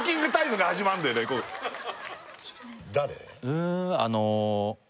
うんあの